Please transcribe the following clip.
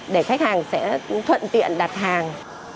để khách hàng sẽ thuận tiện đặt hàng